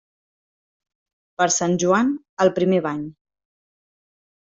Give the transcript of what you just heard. Per Sant Joan, el primer bany.